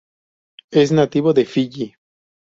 Es nativo de Fiyi.